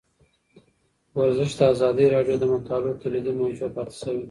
ورزش د ازادي راډیو د مقالو کلیدي موضوع پاتې شوی.